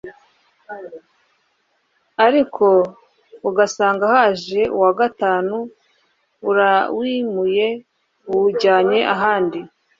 ariko ugasanga haje uwa gatanu arawimuye awujyanye ahandi.